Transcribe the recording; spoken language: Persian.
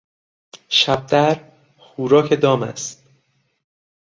شبدر خوراک دام است.